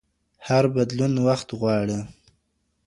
هر بدلون وخت غواړي.